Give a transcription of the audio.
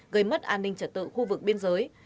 gây mất an ninh trật tự khu vực biên giới